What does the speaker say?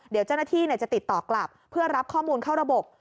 เดี๋ยวเจ้าหน้าที่จะติดต่อกลับเพื่อรับข้อมูลเข้าระบบ